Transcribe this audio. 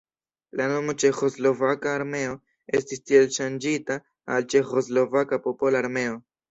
La nomo Ĉeĥoslovaka armeo estis tiel ŝanĝita al Ĉeĥoslovaka popola armeo.